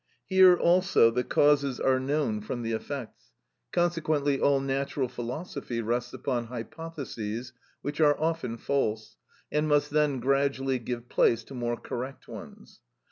Here also the causes are known from the effects, consequently all natural philosophy rests upon hypotheses, which are often false, and must then gradually give place to more correct ones.